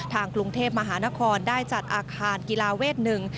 ทางกรุงเทพมหานครได้จัดอาคารกีฬาเวทหนึ่ง